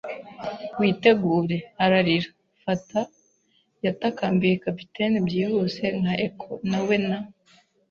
“Witegure!” ararira. “Fata!” yatakambiye capitaine, byihuse nka echo. Na we na